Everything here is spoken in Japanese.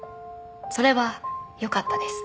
それはよかったです。